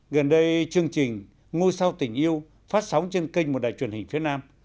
gần đây chương trình ngôi sao tình yêu phát sóng trên kênh một đài truyền hình phía nam